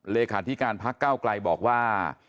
เลขาธิการภักดิ์ก้าวกลายบอกว่า